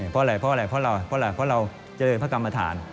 เพราะอะไรเพราะเราเจริญพระกรรมฐาน